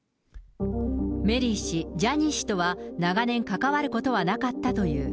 メリー氏、ジャニー氏とは長年関わることはなかったという。